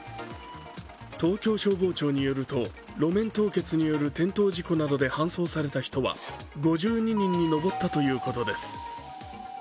東京消防庁によると、路面凍結による転倒事故などで搬送された人は５２人に上ったということです。